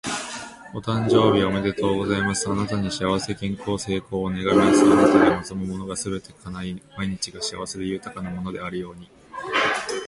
お誕生日おめでとうございます！あなたに幸せ、健康、成功を願います。あなたが望むものがすべて叶い、毎日が幸せで豊かなものであるように。